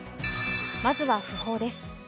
まずは訃報です。